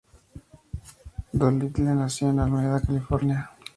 Doolittle nació en Alameda, California.